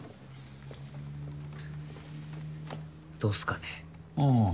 どうすかね？